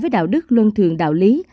với đạo đức luân thường đạo lý